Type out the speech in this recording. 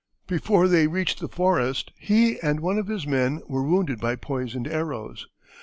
Before they reached the forest he and one of his men were wounded by poisoned arrows.